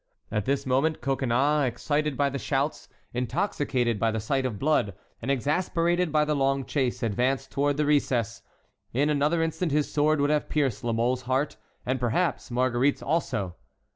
At this moment Coconnas, excited by the shouts, intoxicated by the sight of blood, and exasperated by the long chase, advanced toward the recess; in another instant his sword would have pierced La Mole's heart, and perhaps Marguerite's also.